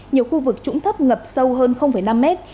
nhiều khu vực trũng thấp ngập sâu hơn năm mét